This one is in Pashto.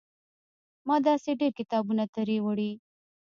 ما داسې ډېر کتابونه ترې وړي.